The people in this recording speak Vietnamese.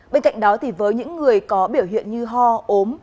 bên cạnh đó thì với những người có biểu hiện như ho ốm